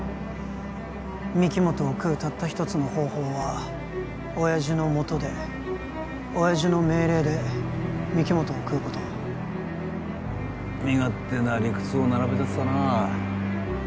御木本を喰うたった一つの方法は親爺のもとで親爺の命令で御木本を喰うこと身勝手な理屈を並べ立てたなあ